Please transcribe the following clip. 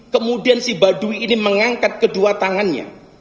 kemudian si baduy ini mengangkat kedua tangannya